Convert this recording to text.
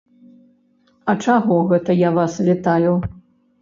А чаго гэта я вас вітаю?